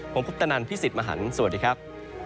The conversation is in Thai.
ผมคุปตนันพี่สิทธิ์มหันฯสวัสดีครับ